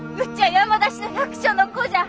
山出しの百姓の子じゃ。